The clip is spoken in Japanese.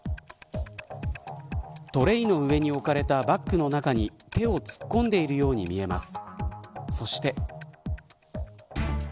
トレーの上に置かれたバッグの中に手を突っ込んでいるように見えます。